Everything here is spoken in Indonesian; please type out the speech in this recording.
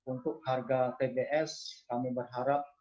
untuk harga tbs kami berharap